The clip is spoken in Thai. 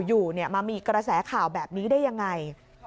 อยู่มามีกระแสข่าวแบบนี้ได้ยังไง